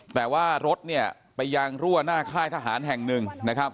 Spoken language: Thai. แต่ว่ารถเนี่ยไปยางรั่วหน้าค่ายทหารแห่งหนึ่งนะครับ